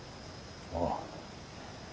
ああ。